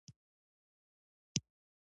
موږ په دې اړه د پوره شواهدو په تمه یو.